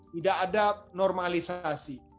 tidak ada normalisasi